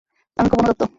আমি খুব অনুতপ্ত।